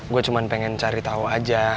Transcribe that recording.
gue cuma pengen cari tahu aja